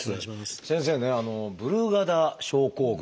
先生ね「ブルガダ症候群」